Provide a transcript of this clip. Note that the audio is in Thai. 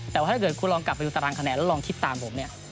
แต่ว่าถ้าเกิดคุณลองกลับไปอยู่ศาลากรรมแผ่นและลองคิดตามผม